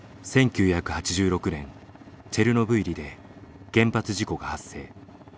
１９８６年チェルノブイリで原発事故が発生。